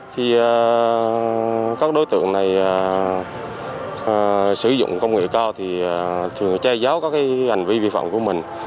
khi các đối tượng này sử dụng công nghệ cao thì thường che giấu các hành vi vi phạm của mình